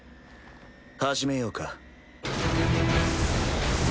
始めようか。